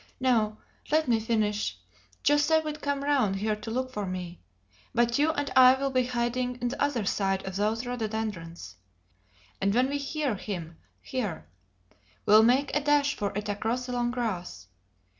No; let me finish! José will come round here to look for me. But you and I will be hiding on the other side of these rhododendrons. And when we hear him here we'll make a dash for it across the long grass.